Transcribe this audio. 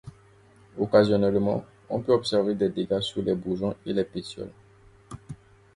Occasionnellement, on peut observer des dégâts sur les bourgeons et les pétioles.